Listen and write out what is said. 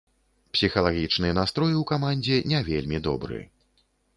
Псіхалагічны настрой у камандзе не вельмі добры.